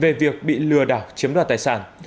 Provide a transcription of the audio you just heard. về việc bị lừa đảo chiếm đoạt tài sản